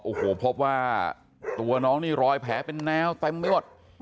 โอ้โหพบว่าตัวน้องนี่รอยแผลเป็นแนวเต็มไปหมด